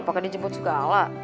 pokoknya dia jemput segala